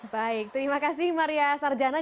baik terima kasih maria sarjana